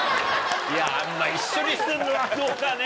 いやあんま一緒にすんのはどうかね。